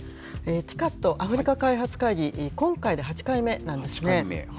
・アフリカ開発会議、今回で８回目なんですね。